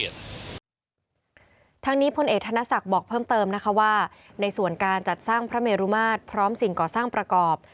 ทางพลเอกธนศักดิ์บอกเพิ่มเติมนะคะว่าในส่วนการจัดสร้างพระเมรุมาตรพร้อมสิ่งก่อสร้างประกอบ